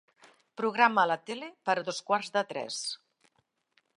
Programa la tele per a dos quarts de tres.